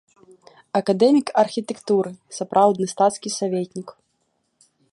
Акадэмік архітэктуры, сапраўдны стацкі саветнік.